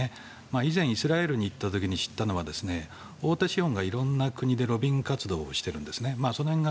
以前、イスラエルに行った時に知ったのは大手資本が色んな国でロビー活動をしているんです。